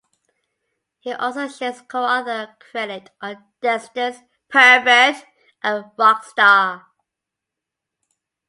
He also shares co-author credit on "Descendents", "Pervert", and "Rockstar".